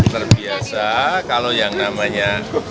terbiasa kalau yang namanya